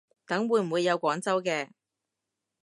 等會唔會有廣州嘅